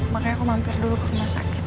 makanya aku mampir dulu ke rumah sakit